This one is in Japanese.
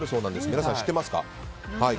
皆さん知っていますか？